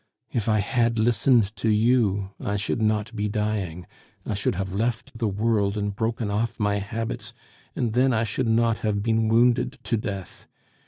If I had listened to you, I should not be dying. I should have left the world and broken off my habits, and then I should not have been wounded to death.